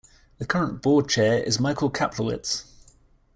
The current board chair is Michael Kaplowitz.